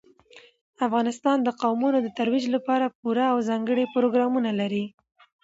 افغانستان د قومونه د ترویج لپاره پوره او ځانګړي پروګرامونه لري.